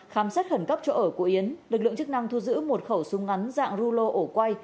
khám xét khẩn cấp chỗ ở của yến lực lượng chức năng thu giữ một khẩu súng ngắn dạng rulo ổ quay